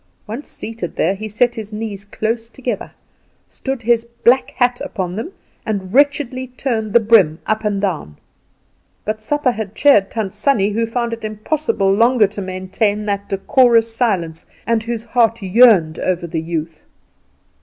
Once seated there, he set his knees close together, stood his black hat upon them, and wretchedly turned the brim up and down. But supper had cheered Tant Sannie, who found it impossible longer to maintain that decorous silence, and whose heart yearned over the youth.